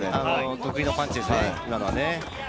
得意のパンチですね、今のはね。